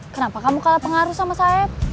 kenapa kamu kalah pengaruh sama saya